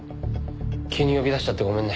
急に呼び出しちゃってごめんね。